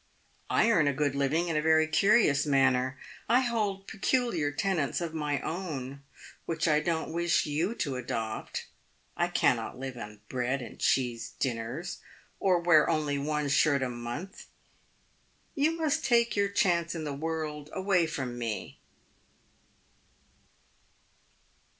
"I earn a good living in a very curious manner. I hold peculiar tenets of my own which I don't wish you to adopt. I cannot live on bread and cheese dinners, or wear only one shirt a month. You must take your chance in the world away from me."